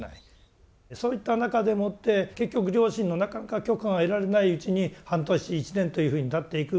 そういった中でもって結局両親のなかなか許可が得られないうちに半年１年というふうにたっていく。